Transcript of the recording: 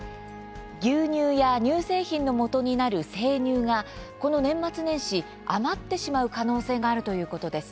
牛乳や乳製品のもとになる生乳がこの年末年始余ってしまう可能性があるということです。